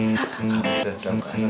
kami sedang mengharapkan bahaya